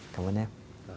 cảm ơn em